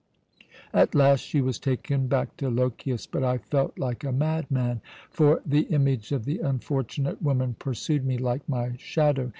"At last she was taken back to Lochias, but I felt like a madman; for the image of the unfortunate woman pursued me like my shadow.